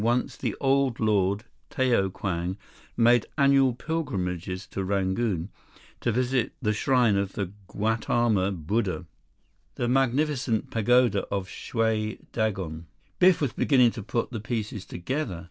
Once the Old Lord, Tao Kwang, made annual pilgrimages to Rangoon to visit the shrine of the Gautama Buddha, the magnificent pagoda of Shwe Dagon." Biff was beginning to put the pieces together.